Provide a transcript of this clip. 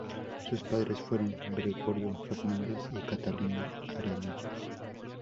Sus padres fueron Gregorio Fernández y Catalina Arenillas.